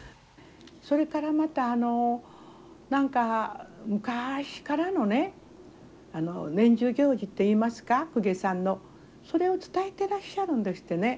それからまたあの何か昔からのね年中行事っていいますか公家さんのそれを伝えてらっしゃるんですってね。